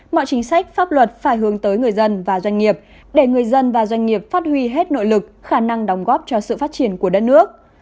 mọi chính sách pháp luật phải hướng tới người dân và doanh nghiệp để người dân và doanh nghiệp phát huy hết nội lực khả năng đóng góp cho sự phát triển của đất nước